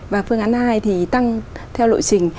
và phương án hai thì tăng theo lộ trình